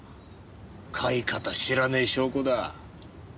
飼い方知らねえ証拠だ。